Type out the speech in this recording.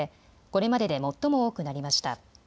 これまでで最も多くなりました。